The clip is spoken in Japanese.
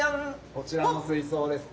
こちらの水槽ですね。